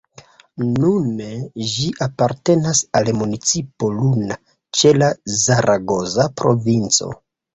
Nune ĝi apartenas al municipo Luna, ĉe la Zaragoza provinco.